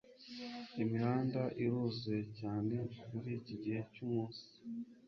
imihanda iruzuye cyane muriki gihe cyumunsi